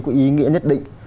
có ý nghĩa nhất định